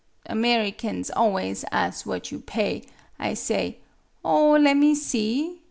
Americans always as' what you pay. I say :' Oh, lemme see.